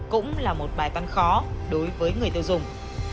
cũng là một bài tăng khó đối với người tiêu dùng